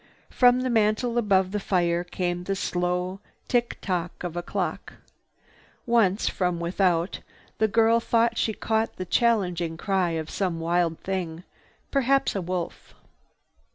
From the mantel above the fire came the slow tick tock of a clock. Once, from without, the girl thought she caught the challenging cry of some wild thing, perhaps a wolf.